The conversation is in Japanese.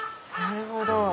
なるほど。